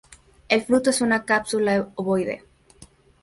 El fruto es una cápsula ovoide.